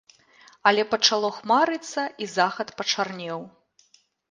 Але пачало хмарыцца, і захад пачарнеў.